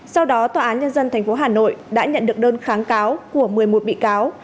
sau đó tòa án nhân dân tp hà nội đã nhận được đơn kháng cáo của một mươi một bị cáo